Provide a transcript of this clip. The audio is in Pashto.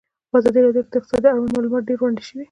په ازادي راډیو کې د اقتصاد اړوند معلومات ډېر وړاندې شوي.